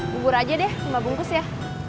bubur aja deh mbak bungkus ya